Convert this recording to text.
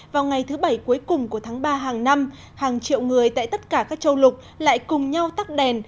vào ngày thứ bảy cuối cùng của tháng ba hàng năm hàng triệu người tại tất cả các châu lục lại cùng nhau tắt đèn